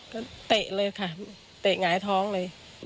ก็เตะเลยค่ะเตะหงายท้องเลย